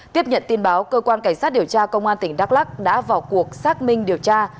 tiếp nhận tin báo cơ quan cảnh sát điều tra công an tỉnh đắk lắc đã vào cuộc xác minh điều tra